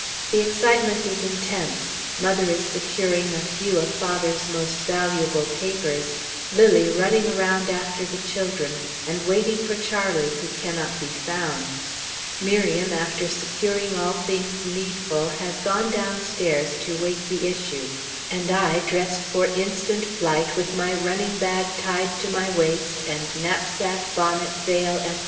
The excitement is intense; mother is securing a few of father's most valuable papers; Lilly running around after the children, and waiting for Charlie who cannot be found; Miriam, after securing all things needful, has gone downstairs to wait the issue; and I, dressed for instant flight, with my running bag tied to my waist, and knapsack, bonnet, veil, etc.